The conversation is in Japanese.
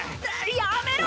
やめろ！